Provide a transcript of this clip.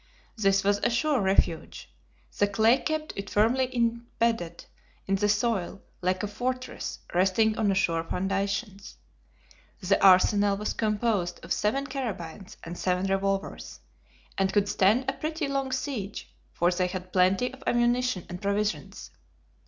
This was a sure refuge. The clay kept it firmly imbedded in the soil, like a fortress resting on sure foundations. The arsenal was composed of seven carbines and seven revolvers, and could stand a pretty long siege, for they had plenty of ammunition and provisions.